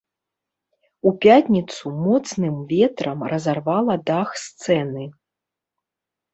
У пятніцу моцным ветрам разарвала дах сцэны.